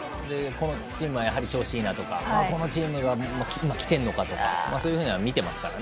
このチームは調子いいなとかこのチームが来てるのかとかそういうのは見ていますから。